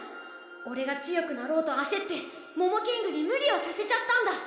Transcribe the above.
俺が強くなろうと焦ってモモキングに無理をさせちゃったんだ。